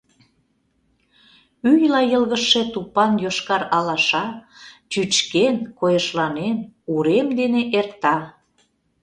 Ӱйла йылгыжше тупан йошкар алаша, чӱчкен, койышланен, урем дене эрта.